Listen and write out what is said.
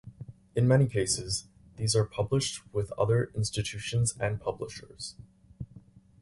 In many cases these are published with other institutions and publishers.